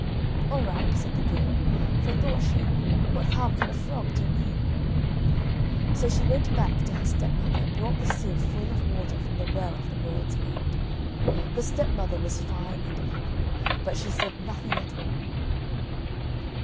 "All right," said the girl; for thought she, "what harm can a frog do me?" So she went back to her stepmother, and brought the sieve full of water from the Well of the World's End. The stepmother was fine and angry, but she said nothing at all.